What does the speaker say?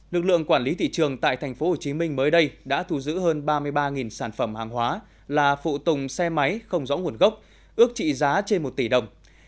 lực lượng quản lý thị trường tại tp hcm mới đây đã thu giữ hơn ba mươi ba sản phẩm hàng hóa là phụ tùng xe máy không rõ nguồn gốc ước trị giá trên một tỷ đồng